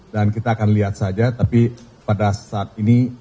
dan kita akan lihat saja tapi pada saat ini